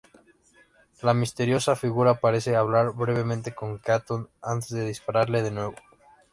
La misteriosa figura parece hablar brevemente con Keaton antes de dispararle de nuevo.